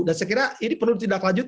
dan saya kira ini perlu tindak lanjut